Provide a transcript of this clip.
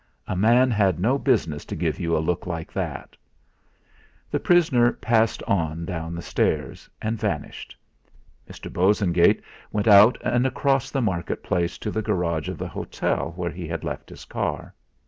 A man had no business to give you a look like that! The prisoner passed on down the stairs, and vanished. Mr. Bosengate went out and across the market place to the garage of the hotel where he had left his car.